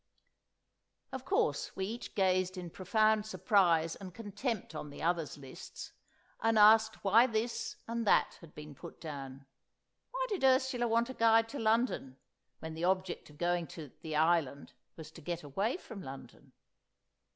Of course, we each gazed in profound surprise and contempt on the others' lists, and asked why this and that had been put down. Why did Ursula want a guide to London, when the object of going to The Island was to get away from London?